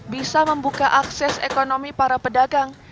bisa membuka akses ekonomi para pedagang